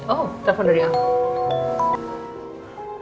oh telepon dari al